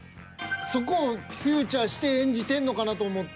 そこをフィーチャーして演じてんのかなと思って。